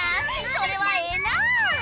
それはええなあ！